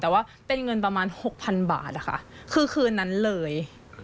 แต่ว่าเป็นเงินประมาณ๖๐๐๐บาทค่ะคือคืนนั้นเลย